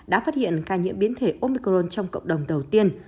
đã phát hiện ca nhiễm biến thể omicron trong cộng đồng đầu tiên